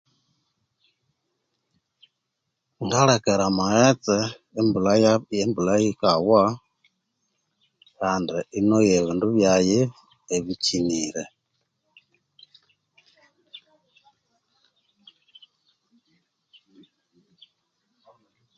Ngalekera amaghetse embulha yai embulha yikawa Kandi inoya ibendu byaghu ebikinire